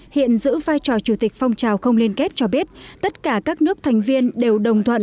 hiện giữ vai trò chủ tịch phong trào không liên kết cho biết tất cả các nước thành viên đều đồng thuận